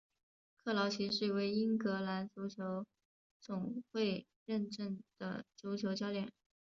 克劳奇是一位英格兰足球总会认证的足球教练。